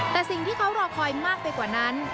แต่สิ่งที่เขารอคอยมากไปกว่านั้น